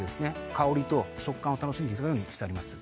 香りと食感を楽しんでいただけるようにしてあります